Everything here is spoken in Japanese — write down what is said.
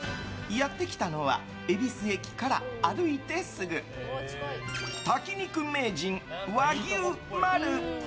やってきたのは恵比寿駅から歩いてすぐ炊き肉名人和牛まる。